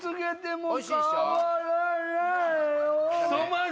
もう。